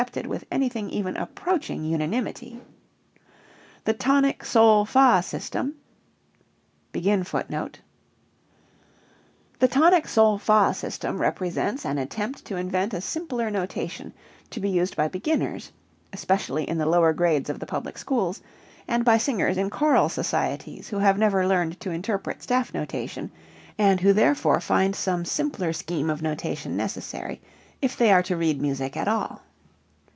The main characteristics of staff notation may be summed up as follows: [Footnote 40: The tonic sol fa system represents an attempt to invent a simpler notation to be used by beginners, (especially in the lower grades of the public schools) and by singers in choral societies who have never learned to interpret staff notation and who therefore find some simpler scheme of notation necessary if they are to read music at all.